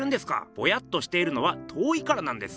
ぼやっとしているのは遠いからなんです。